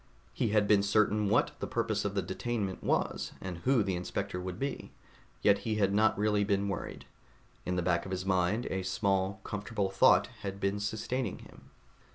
He had been certain what the purpose of the detainment was, and who the inspector would be, yet he had not really been worried. In the back of his mind, a small, comfortable thought had been sustaining him.